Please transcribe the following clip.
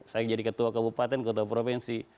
saya jadi ketua kabupaten ketua provinsi